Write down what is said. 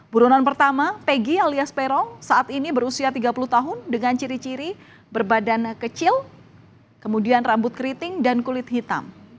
buronan pertama pegi alias peron saat ini berusia tiga puluh tahun dengan ciri ciri berbadan kecil kemudian rambut keriting dan kulit hitam